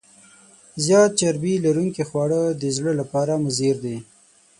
زیات چربي لرونکي خواړه د زړه لپاره مضر دي.